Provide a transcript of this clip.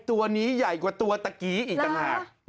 ตัวนี้ใหญ่กว่าตัวตะกี้อีกต่างหาก